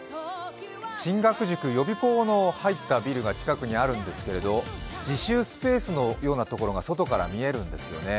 進学塾、予備校の入ったビルが近くにあるんですが、自習スペースのようなところが外から見えるんですよね。